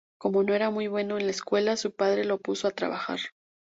Como no era muy bueno en la escuela, su padre lo puso a trabajar.